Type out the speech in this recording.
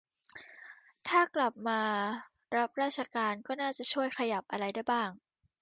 ถ้ากลับมารับราชการก็น่าจะช่วยขยับอะไรได้บ้าง